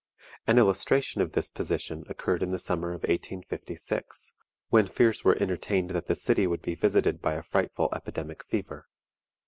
An illustration of this position occurred in the summer of 1856, when fears were entertained that the city would be visited by a frightful epidemic fever.